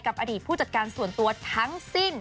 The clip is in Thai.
อดีตผู้จัดการส่วนตัวทั้งสิ้น